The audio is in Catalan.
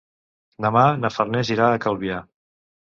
Demà na Farners irà a Calvià.